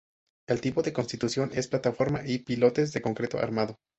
El tipo de Construcción es Plataforma y Pilotes de Concreto Armado